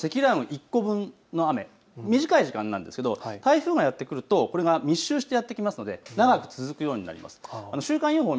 きょう降っている雨は積乱雲１個分の雨、短い時間ですが台風がやって来るとこれが密集してやって来ますので長く続きます。